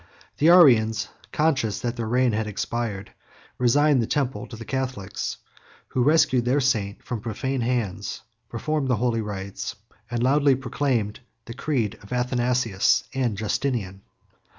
The Arians, conscious that their reign had expired, resigned the temple to the Catholics, who rescued their saint from profane hands, performed the holy rites, and loudly proclaimed the creed of Athanasius and Justinian.